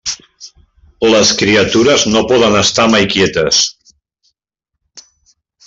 Les criatures no poden estar mai quietes.